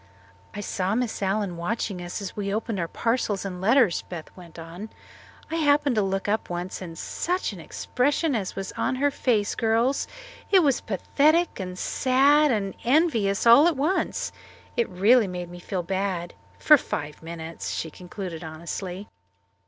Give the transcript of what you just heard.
"I saw Miss Allen watching us as we opened our parcels and letters," Beth went on. "I happened to look up once, and such an expression as was on her face, girls! It was pathetic and sad and envious all at once. It really made me feel bad for five minutes," she concluded honestly.